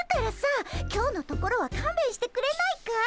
今日のところはかんべんしてくれないかい？